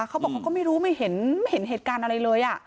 เขาบอกเขาก็ไม่รู้ไม่เห็นเหตุการณ์อะไรเลย